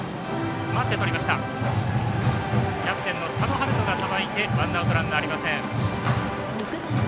キャプテンの佐野春斗がさばいてワンアウト、ランナーありません。